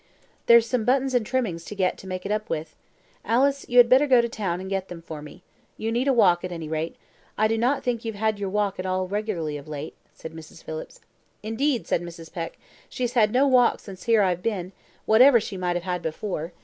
"There's some buttons and trimmings to get to make it up with. Alice, you had better go to town and get them for me. You need a walk, at any rate; I do not think you've had your walk at all regularly of late," said Mrs. Phillips. "Indeed," said Mrs. Peck, "she has had no walk since here I've been, whatever she might have had before.